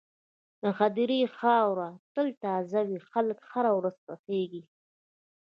د هدیرې خاوره تل تازه وي، خلک هره ورځ ښخېږي.